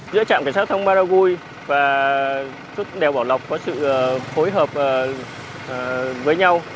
giữa trạm cảnh sát thông maragui và chốt đèo bảo lộc có sự phối hợp với nhau